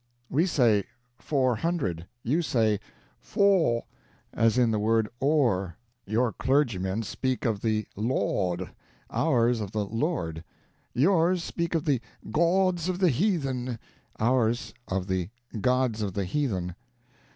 We say, 'Four hundred,' you say 'For' as in the word or. Your clergymen speak of 'the Lawd,' ours of 'the Lord'; yours speak of 'the gawds of the heathen,' ours of 'the gods of the heathen.'